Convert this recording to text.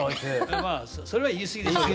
まあそれは言い過ぎですよ。